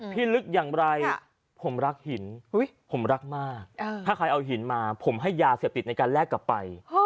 ลึกอย่างไรผมรักหินผมรักมากถ้าใครเอาหินมาผมให้ยาเสพติดในการแลกกลับไป